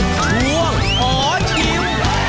ช่วงขอชิม